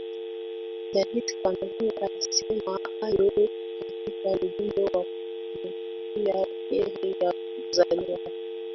david cameron alisema hayo katika ujumbe wa kumtakia kheri ya kuzaliwa